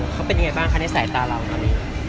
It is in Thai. เขาเป็นยังไงบ้างในสายตาเหล่านั้น